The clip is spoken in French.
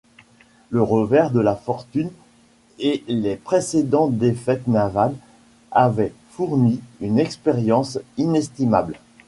Les revers de fortune et les précédentes défaites navales avaient fourni une expérience inestimable.